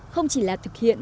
không chỉ là thực hiện